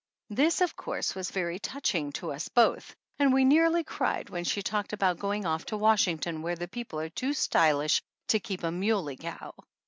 This, of course, was very touching to us both and we nearly cried when she talked about going off to Washington where the people are too stylish to keep a muley cow.